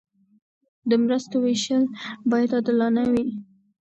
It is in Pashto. د مرستو ویشل باید عادلانه وي.